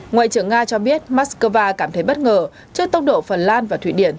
ngoại trưởng nga cho biết moscow cảm thấy bất ngờ trước tốc độ phần lan và thụy điển